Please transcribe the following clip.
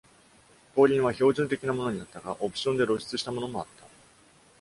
後輪は標準的なものになったが、オプションで露出したものもあった。